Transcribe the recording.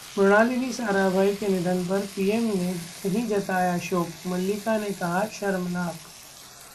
मृणालिनी साराभाई के निधन पर पीएम ने नहीं जताया शोक, मल्लिका ने कहा- 'शर्मनाक'